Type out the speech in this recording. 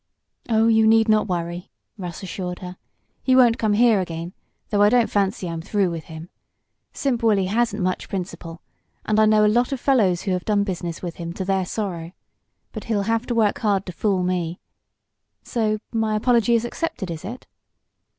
"Oh, you need not worry," Russ assured her. "He won't come here again; though I don't fancy I'm through with him. Simp Wolley hasn't much principle, and I know a lot of fellows who have done business with him to their sorrow. But he'll have to work hard to fool me. So my apology is accepted; is it?"